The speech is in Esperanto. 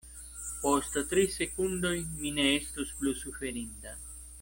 Post tri sekundoj mi ne estus plu suferinta.